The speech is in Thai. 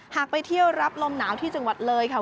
ไปเที่ยวรับลมหนาวที่จังหวัดเลยค่ะ